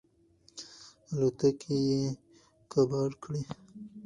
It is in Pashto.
الوتکې یې کباړ کړې.